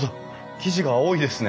生地が青いですね。